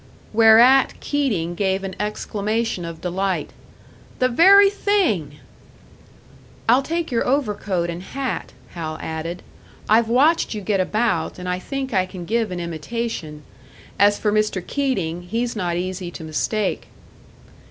Whereat Keating gave an exclamation of delight. "The very thing!" "I'll take your over coat and hat," Hal added. "I've watched you get about, and I think I can give an imitation. As for Mr. Keating, he's not easy to mistake."